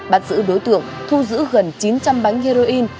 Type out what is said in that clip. bắt giữ đối tượng thu giữ gần chín trăm linh bánh heroin